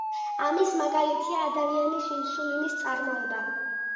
ამისი მაგალითია ადამიანის ინსულინის წარმოება.